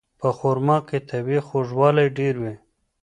په خرما کې طبیعي خوږوالی ډېر وي.